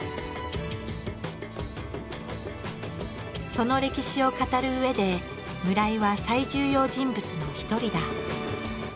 その歴史を語るうえで村井は最重要人物の一人だ。